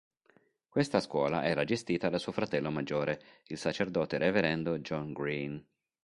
Questa scuola era gestita da suo fratello maggiore, il sacerdote Reverendo John Green.